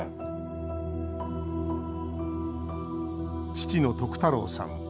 父の徳太郎さん。